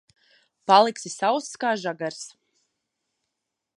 Paliksi sauss kā žagars.